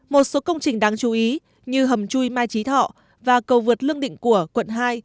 một số công trình đáng chú ý như hầm chui mai trí thọ và cầu vượt lương định của quận hai